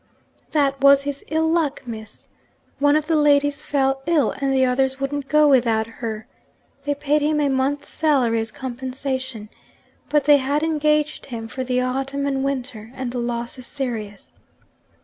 'That was his ill luck, Miss. One of the ladies fell ill and the others wouldn't go without her. They paid him a month's salary as compensation. But they had engaged him for the autumn and winter and the loss is serious.'